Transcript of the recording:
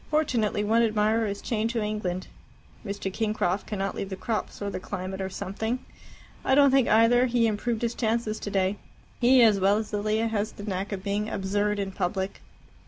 Fortunately one admirer is chained to England. Mr. Kingcroft cannot leave the crops or the climate or something. I don't think, either, he improved his chances today. He, as well as Lilia, has the knack of being absurd in public."